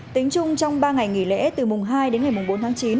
tính chung trong ba ngày nghỉ lễ từ mùng hai đến ngày mùng bốn tháng chín